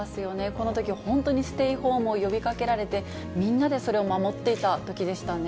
このとき、本当にステイホームを呼びかけられて、みんなでそれを守っていたときでしたね。